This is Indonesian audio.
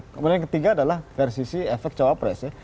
kemudian yang ketiga adalah versisi effort cawapres ya